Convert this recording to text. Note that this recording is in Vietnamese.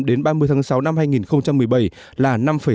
đến ba mươi tháng sáu năm hai nghìn một mươi bảy là năm bảy